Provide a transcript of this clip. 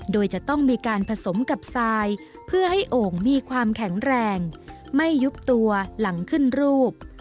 โดยจะต้องมีการผสมกับทรายเพื่อให้โอ่งมีความแข็งแรงไม่ยุบตัวหลังขึ้นรูป